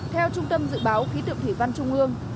theo trung tâm dự báo khí tượng thủy văn trung ương